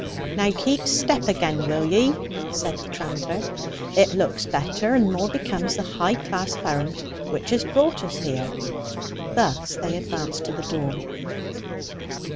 "Now keep step again, will ye?" said the tranter. "It looks better, and more becomes the high class of arrant which has brought us here." Thus they advanced to the door.